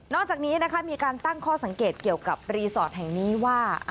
จากนี้นะคะมีการตั้งข้อสังเกตเกี่ยวกับรีสอร์ทแห่งนี้ว่า